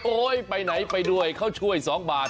โอ้ยไปไหนไปด้วยเค้าช่วย๒บาท